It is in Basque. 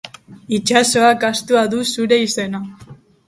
Itsasoak ahaztua du zure izena.